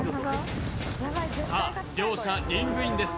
両者リングインです。